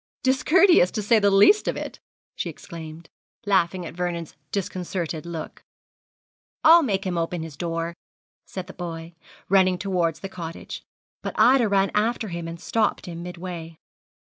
'Discourteous, to say the least of it,' she exclaimed, laughing at Vernon's disconcerted look. 'I'll make him open his door,' said the boy, running towards the cottage; but Ida ran after him and stopped him midway.